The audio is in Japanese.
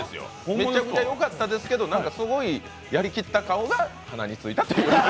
めちゃくちゃよかったですけど、すごいやりきった感が鼻についたという。